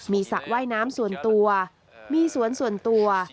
มีสระว่ายน้ำส่วนตัวมีสวนส่วนตัว